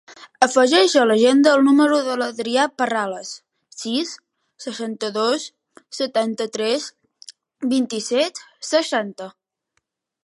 Afegeix a l'agenda el número de l'Adrià Parrales: sis, seixanta-dos, setanta-tres, vint-i-set, seixanta.